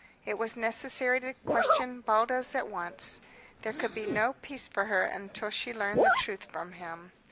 It was necessary to question Baldos at once. There could be no peace for her until she learned the truth from him.